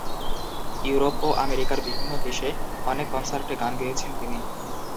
Europe ও আমেরিকার বিভিন্ন দেশে অনেক কনসার্টে গান গেয়েছেন তিনি।